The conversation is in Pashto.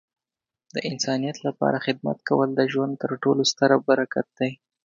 د انسانیت لپاره خدمت کول د ژوند تر ټولو ستره برکت دی.